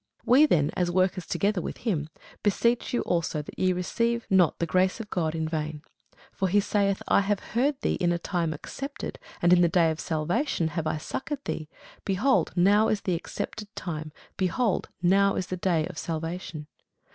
We then, as workers together with him, beseech you also that ye receive not the grace of God in vain. (For he saith, I have heard thee in a time accepted, and in the day of salvation have I succoured thee: behold, now is the accepted time; behold, now is the day of salvation.)